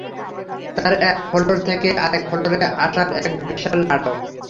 তার এক ফ্লোর থেকে আরেক ফ্লোরে আসার এক বিশাল নাটক।